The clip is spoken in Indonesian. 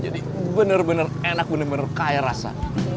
jadi benar benar enak benar benar kaya rasa